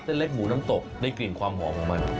เล็กหมูน้ำตกได้กลิ่นความหอมของมัน